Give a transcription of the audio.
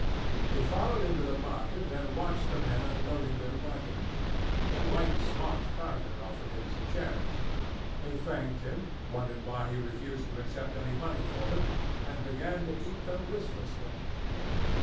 He followed into the market and watched the men unloading their waggons. A white smocked carter offered him some cherries. He thanked him, wondered why he refused to accept any money for them, and began to eat them listlessly.